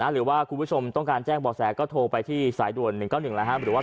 หรือว่าคุณผู้ชมต้องการแจ้งบ่อแสก็โทรไปที่สายด่วน๑๙๑แล้วครับ